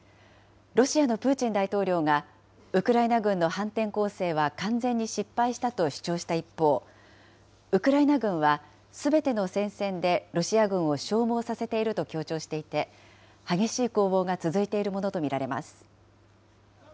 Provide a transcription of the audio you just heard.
ロシアのプーチン大統領が、ウクライナ軍の反転攻勢は完全に失敗したと主張した一方、ウクライナ軍はすべての戦線でロシア軍を消耗させていると強調していて、激しい攻防が続いているものと見られます。